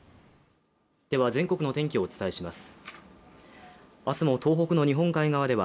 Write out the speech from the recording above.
全国の天気をお伝えします。